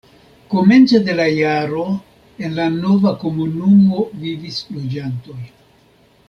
Komence de la jaro en la nova komunumo vivis loĝantoj.